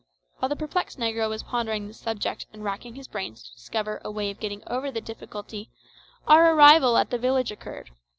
While the perplexed negro was pondering this subject and racking his brains to discover a way of getting over the difficulty, our arrival at the village occurred.